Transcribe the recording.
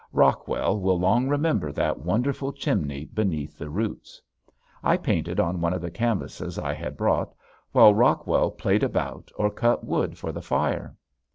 Rockwell will long remember that wonderful chimney beneath the roots. I painted on one of the canvases I had brought while Rockwell played about or cut wood for the fire.